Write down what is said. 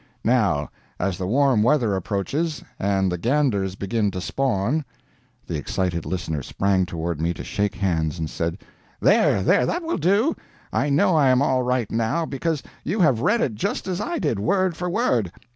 Now, as the warm weather approaches, and the ganders begin to spawn The excited listener sprang toward me to shake hands, and said: "There, there that will do. I know I am all right now, because you have read it just as I did, word, for word.